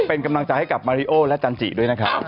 เป็นกำลังใจให้กับมาริโอและจันจิด้วยนะครับ